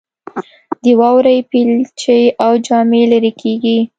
د واورې بیلچې او جامې لیرې کیږي